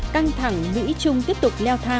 căng thẳng mỹ trung tiếp tục